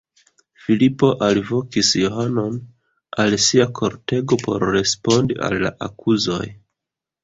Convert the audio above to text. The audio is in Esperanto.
Filipo alvokis Johanon al sia kortego por respondi al la akuzoj.